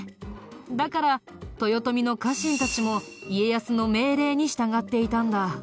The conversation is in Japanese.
だから豊臣の家臣たちも家康の命令に従っていたんだ。